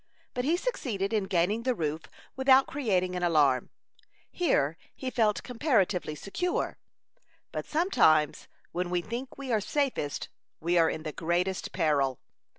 But he succeeded in gaining the roof without creating an alarm. Here he felt comparatively secure; but sometimes when we think we are safest we are in the greatest peril.